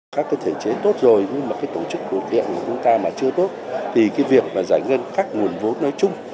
các cái thể chế tốt rồi nhưng mà cái tổ chức đội thiện của chúng ta mà chưa tốt thì cái việc giải ngân các nguồn vốn nói chung